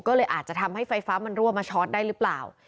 ก็เลยอาจจะทำให้ไฟฟ้ามันรั่วมาชอตได้หรือเปล่า